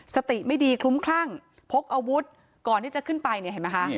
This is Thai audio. สติไม่ดีคลุ้มคลั่งพกอาวุธก่อนที่จะขึ้นไปเนี่ยเห็นไหมคะ